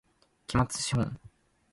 期末資本